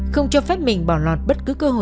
không cho phép mình bỏ lọt bất cứ cơ hội